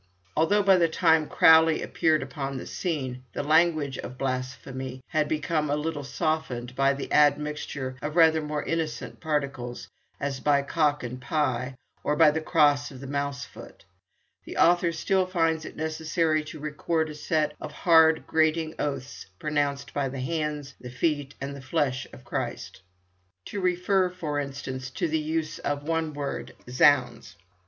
Although by the time Crowley appeared upon the scene the language of blasphemy had become a little softened by the admixture of rather more innocent particles, as "by cock and pye," or "by the cross of the mousefoot," the author still finds it necessary to record a set of hard, grating oaths pronounced by the "hands," the "feet," and the "flesh" of Christ. To refer, for instance, to the use of the one word "zounds!"